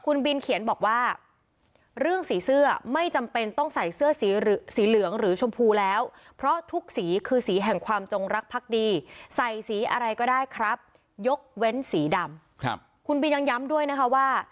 คุณบินเขียนบอกว่าเรื่องสีเสื้อไม่จำเป็นต้องใส่เสื้อสีเหลืองหรือเฉพาะชมพูแล้ว